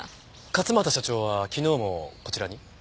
勝又社長は昨日もこちらに？